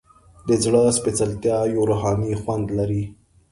د زړه سپیڅلتیا یو روحاني خوند لري.